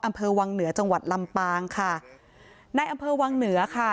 อำเภอวังเหนือจังหวัดลำปางค่ะในอำเภอวังเหนือค่ะ